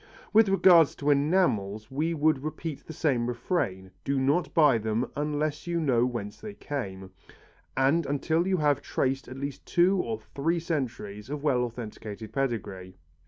With regard to enamels we would repeat the usual refrain, do not buy them until you know whence they come, and until you have traced at least two or three centuries of well authenticated pedigree.